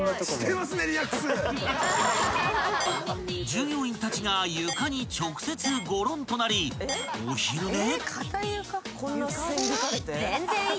［従業員たちが床に直接ごろんとなりお昼寝？］